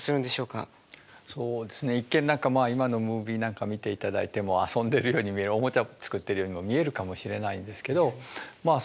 そうですね一見今のムービーなんか見ていただいても遊んでるように見えるおもちゃ作ってるようにも見えるかもしれないんですけどまあ